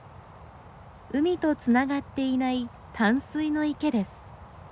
海とつながっていない淡水の池です。